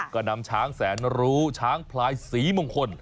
ก็นำช้างแสนรู้ช้างพลายสีมงคล